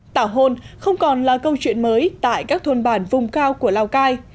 tảo hôn không còn là câu chuyện mới tại các thôn bản vùng cao của lào cai